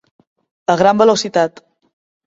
A gran velocitat.